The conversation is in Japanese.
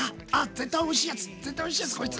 絶対おいしいやつ絶対おいしいやつこいつ。